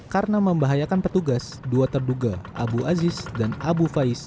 karena membahayakan petugas dua terduga abu aziz dan abu faiz